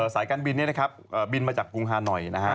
สายการบินนี้นะครับบินมาจากกรุงฮานอยนะฮะ